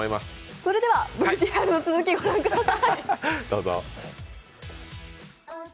それではＶＴＲの続きを御覧ください。